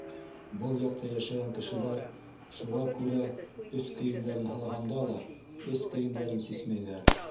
Был яҡта йәшәгән кешеләр шуға күрә өҫ кейемдәрен һалғанда ла, эс кейемдәрен сисмәйҙәр.